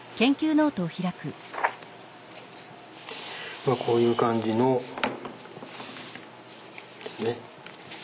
まあこういう感じのですね。